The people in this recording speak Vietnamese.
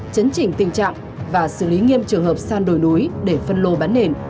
chấn chỉnh tình trạng và xử lý nghiêm trường hợp san đồi núi để phân lô bán nền